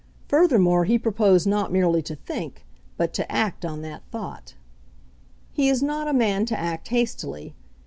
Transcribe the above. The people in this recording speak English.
Furthermore, he proposed not merely to think, but to act on that thought He is not a man to act hastily.